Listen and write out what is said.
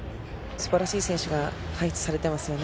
素晴らしい選手が輩出されていますよね。